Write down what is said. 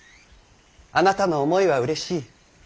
あなたの思いはうれしい。